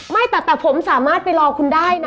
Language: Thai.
ไม่แต่ผมสามารถไปรอคุณได้นะ